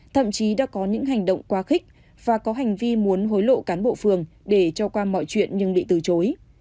thậm chí đã có những hành động quá khích và có hành vi muốn hối lộ cán bộ phường để cho qua mọi chuyện nhưng bị từ chối